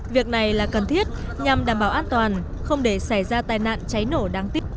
việc này là cần thiết nhằm đảm bảo an toàn không để xảy ra tai nạn cháy nổ đáng tiếc